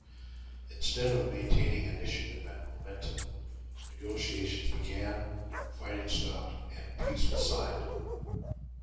Instead of maintaining initiative and momentum, negotiations began, fighting stopped and peace was signed.